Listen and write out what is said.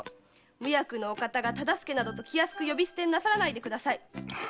無役のお方が「忠相」などと気安く呼び捨てになさらないでください。